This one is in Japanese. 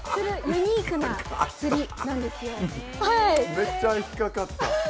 めっちゃ引っ掛かった。